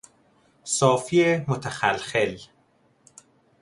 صافی متخلخل